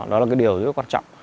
đó là cái điều rất quan trọng